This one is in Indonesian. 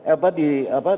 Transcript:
apa di apa